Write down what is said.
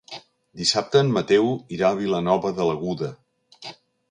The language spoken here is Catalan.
Dissabte en Mateu irà a Vilanova de l'Aguda.